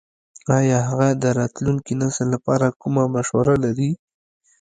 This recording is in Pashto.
ایا هغه د راتلونکي نسل لپاره کومه مشوره لري ?